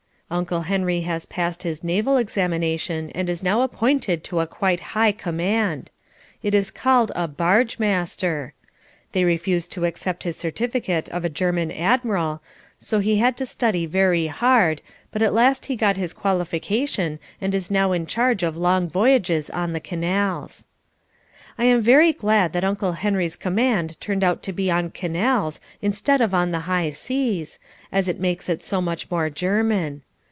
Uncle Henry has passed his Naval Examination and is now appointed to a quite high command. It is called a Barge Master. They refused to accept his certificate of a German Admiral, so he had to study very hard, but at last he got his qualification and is now in charge of long voyages on the canals. I am very glad that Uncle Henry's command turned out to be on canals instead of on the high seas, as it makes it so much more German.